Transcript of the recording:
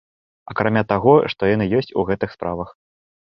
Акрамя таго, што яны ёсць у гэтых справах.